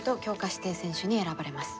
指定選手に選ばれます。